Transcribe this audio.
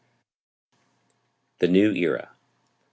THE NEW ERA.